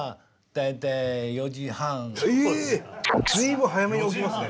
随分早めに起きますね。